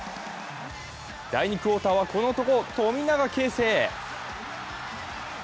第２クオーターは、この男、富永啓生。